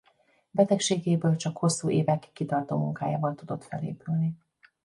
Betegségéből csak hosszú évek kitartó munkájával tudott felépülni.